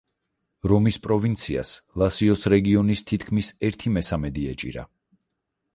რომის პროვინციას ლაციოს რეგიონის თითქმის ერთი მესამედი ეჭირა.